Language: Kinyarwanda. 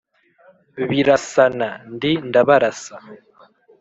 birasana: ni ndabarasa